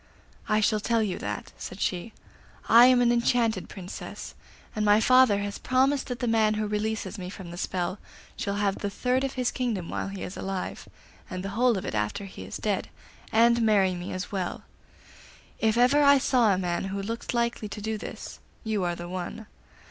'I shall tell you that,' said she. 'I am an enchanted Princess, and my father has promised that the man who releases me from the spell shall have the third of his kingdom while he is alive, and the whole of it after he is dead, and marry me as well. If ever I saw a man who looked likely to do this, you are the one.